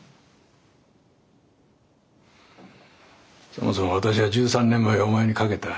そもそも私は１３年前お前にかけた。